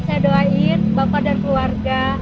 saya doain bapak dan keluarga